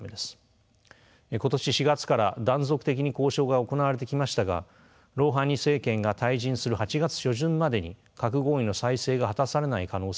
今年４月から断続的に交渉が行われてきましたがロウハニ政権が退陣する８月初旬までに核合意の再生が果たされない可能性もあります。